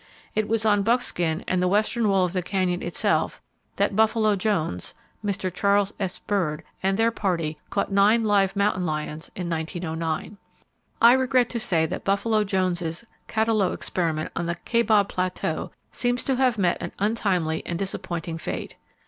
It was on Buckskin and the western wall of the Canyon itself that "Buffalo" Jones, Mr. Charles S. Bird, and their party caught nine live mountain lions, in 1909. I regret to say that "Buffalo" Jones's catalo experiment on the Kaibab Plateau seems to have met an untimely and disappointing fate.